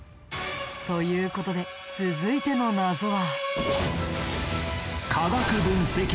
という事で続いての謎は。